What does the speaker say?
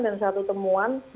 dan satu temuan